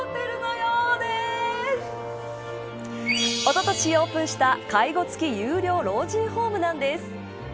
おととしオープンした介護付き有料老人ホームなんです。